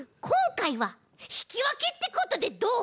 かいはひきわけってことでどう？